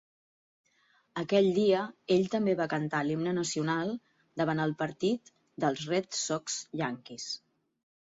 Aquell dia ell també va cantar l'himne nacional davant al partit dels Red Sox-Yankees.